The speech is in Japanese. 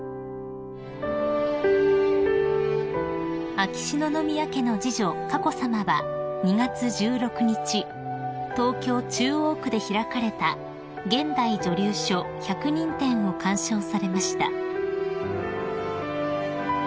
［秋篠宮家の次女佳子さまは２月１６日東京中央区で開かれた現代女流書１００人展を鑑賞されました］